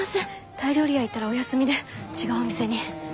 タイ料理屋行ったらお休みで違うお店に。